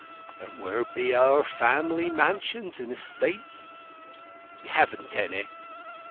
"And where be our family mansions and estates?" "You haven't any."